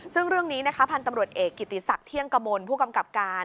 ซึ่งเรื่องนี้นะคะพันธุ์ตำรวจเอกกิติศักดิ์เที่ยงกมลผู้กำกับการ